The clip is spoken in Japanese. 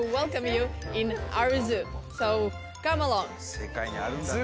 世界にあるんだね